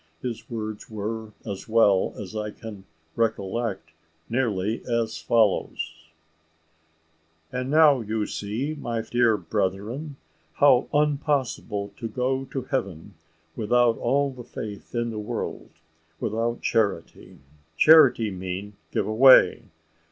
His words were, as well as I can recollect, nearly as follows: "And now you see, my dear bredren, how unpossible to go to heaven with all the faith in the world, without charity. Charity mean, give away.